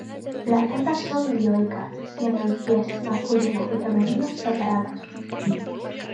Las plantas son dioicas, tienen pies masculinos y femeninos separados.